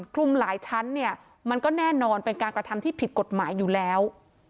คลุมหลายชั้นเนี่ยมันก็แน่นอนเป็นการกระทำที่ผิดกฎหมายอยู่แล้ว